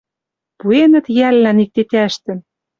Пуэнӹт йӓллӓн ик тетяштӹм!